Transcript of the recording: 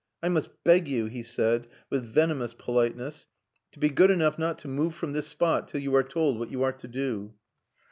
"I must beg you," he said, with venomous politeness, "to be good enough not to move from this spot till you are told what you are to do."